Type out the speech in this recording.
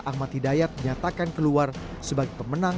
ahmad hidayat menyatakan keluar sebagai pemenang